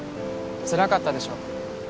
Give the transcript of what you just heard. つらかったでしょ？